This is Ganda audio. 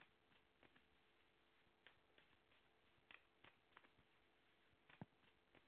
Bikomye wano, tuddamu enkya ku makya